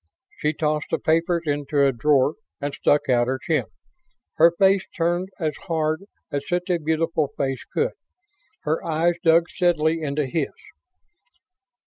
She tossed the papers into a drawer and stuck out her chin. Her face turned as hard as such a beautiful face could. Her eyes dug steadily into his.